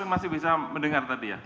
saya masih bisa mendengar tadi ya